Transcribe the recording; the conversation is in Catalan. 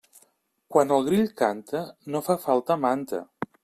Quan el grill canta, no fa falta manta.